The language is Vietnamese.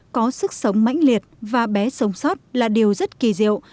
có sức sống mãnh liệt và bé sống sót là điều rất kỳ diệu